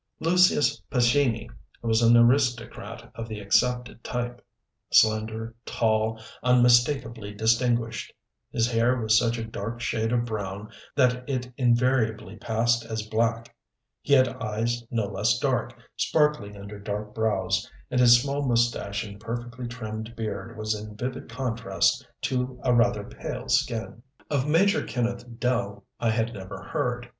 Lucius Pescini was an aristocrat of the accepted type slender, tall, unmistakably distinguished. His hair was such a dark shade of brown that it invariably passed as black, he had eyes no less dark, sparkling under dark brows, and his small mustache and perfectly trimmed beard was in vivid contrast to a rather pale skin. Of Major Kenneth Dell I had never heard.